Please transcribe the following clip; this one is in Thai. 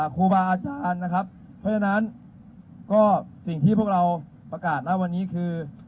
ครูบาอาจารย์นะครับเพราะฉะนั้นก็สิ่งที่พวกเราประกาศนะวันนี้คือ